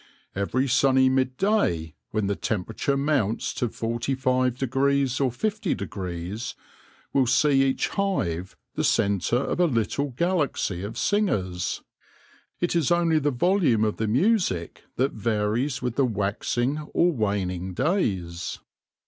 Every sunny midday, when the temperature mounts to 45° or 5°°» w iH see each hive the centre of a little galaxy of singers : it is only the volume of the music that varies with the waxing or waning days.